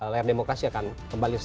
layar demokrasi akan kembali